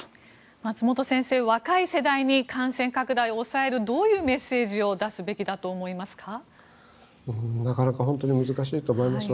松本先生、若い世代に感染拡大を抑えるどういうメッセージを出すべきだと思いますか？